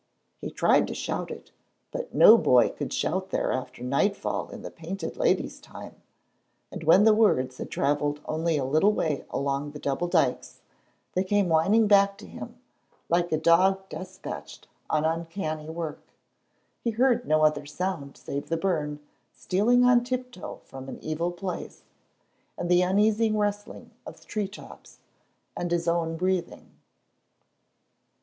He tried to shout it, but no boy could shout there after nightfall in the Painted Lady's time, and when the words had travelled only a little way along the double dykes, they came whining back to him, like a dog despatched on uncanny work. He heard no other sound save the burn stealing on tiptoe from an evil place, and the uneasy rustling of tree tops, and his own breathing.